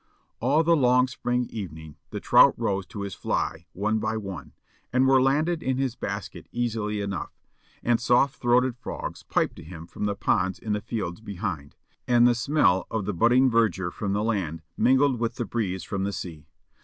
All the long spring evening the trout rose to his fly one by one, and were landed in his basket easily enough, and soft throated frogs piped to him from ponds in the fields behind, and the smell of budding verdure from the land mingled with the breeze from the sea.